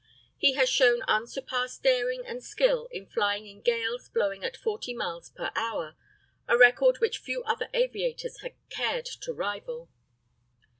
He has shown unsurpassed daring and skill in flying in gales blowing at 40 miles per hour, a record which few other aviators have cared to rival.